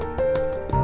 aku ya dong